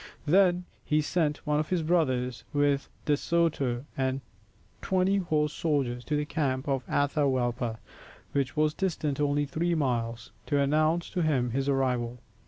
Then he sent one of his brothers with De Soto and twenty horse soldiers to the camp of Atahualpa, which was distant only three miles, to announce to him his arrival.